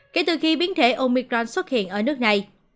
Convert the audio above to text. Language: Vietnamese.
kể từ khi biến thể omicron xuất hiện ở nước này